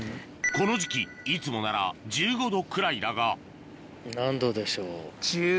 この時期いつもなら１５℃くらいだが何℃でしょう？